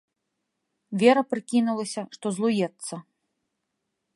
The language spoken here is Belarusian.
Вера прыкінулася, што злуецца.